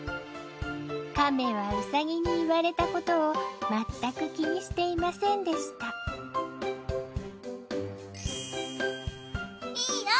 かめはうさぎに言われたことをまったく気にしていませんでしたいいよ。